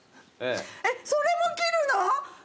えっそれも切るの⁉